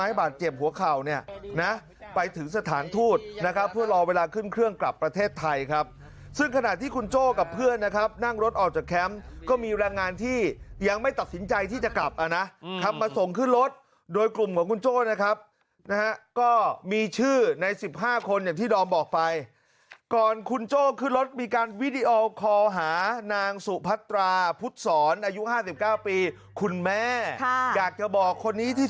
ไม้บาดเจ็บหัวเข่าเนี่ยนะไปถึงสถานทูตนะครับเพื่อรอเวลาขึ้นเครื่องกลับประเทศไทยครับซึ่งขณะที่คุณโจ้กับเพื่อนนะครับนั่งรถออกจากแคมป์ก็มีแรงงานที่ยังไม่ตัดสินใจที่จะกลับอ่ะนะครับมาส่งขึ้นรถโดยกลุ่มของคุณโจ้นะครับนะฮะก็มีชื่อในสิบห้าคนอย่างที่ดอมบอกไปก่อนคุณโจ้ขึ้นรถมีก